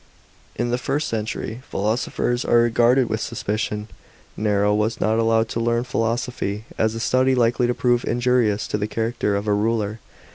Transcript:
In thb first century philosophers are regarded with suspicion. Nero waa not allowed to learn philosophy, as a study likely to prove injurious to the character of a ruler.